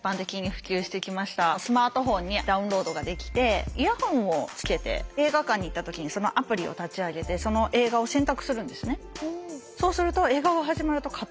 スマートフォンにダウンロードができてイヤホンをつけて映画館に行った時にそのアプリを立ち上げてその映画を選択するんですね。